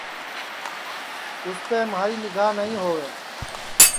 اُسپے مہاری نیگھا نائی ہووے